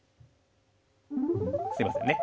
すいませんね。